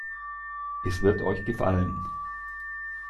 Es wird euch gefallen.